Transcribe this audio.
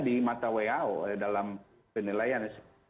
di mata who dalam penilaian